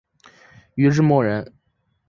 禹之谟人。